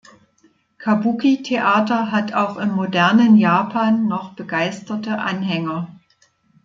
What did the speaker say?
Kabuki-Theater hat auch im modernen Japan noch begeisterte Anhänger.